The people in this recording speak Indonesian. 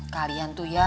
kalian tuh ya